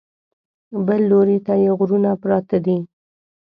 بل لوري ته یې غرونه پراته دي.